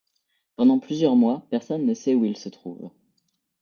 Pendant plusieurs mois personne ne sait où il se trouve.